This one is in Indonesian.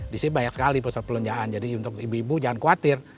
di sini banyak sekali pusat perbelanjaan jadi untuk ibu ibu jangan khawatir